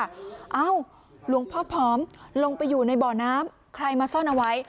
เอ้าหลวงพ่อผอมลงไปอยู่ในบ่อน้ำใครมาซ่อนเอาไว้